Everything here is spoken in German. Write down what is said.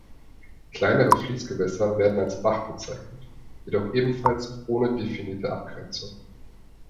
Kleinere Fließgewässer werden als Bach bezeichnet, jedoch ebenfalls ohne definierte Abgrenzung.